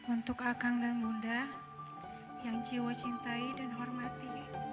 untuk akang dan bunda yang jiwa cintai dan hormati